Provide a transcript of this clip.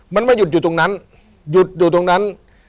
มันไม่หยุดอยู่ตรงนั้นหยุดอยู่ตรงนั้น